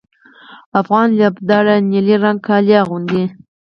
افغان لوبډله نیلي رنګه کالي اغوندي.